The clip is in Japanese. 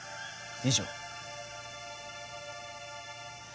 以上。